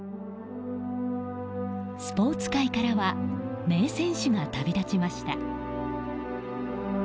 スポーツ界からは名選手が旅立ちました。